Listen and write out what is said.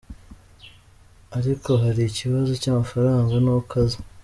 Ariko hari ikibazo cy’amafaranga n’uko aza.